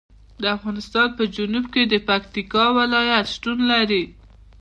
د افغانستان په جنوب کې د پکتیکا ولایت شتون لري.